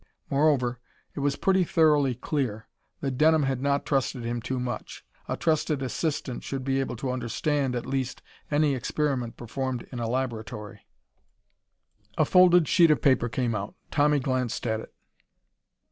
Moreover, it was pretty thoroughly clear that Denham had not trusted him too much. A trusted assistant should be able to understand, at least, any experiment performed in a laboratory. A folded sheet of paper came out. Tommy glanced at it.